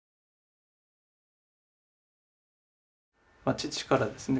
父からですね